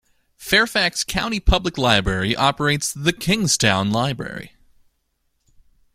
Fairfax County Public Library operates the Kingstowne Library.